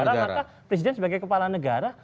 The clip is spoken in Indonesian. maka presiden sebagai kepala negara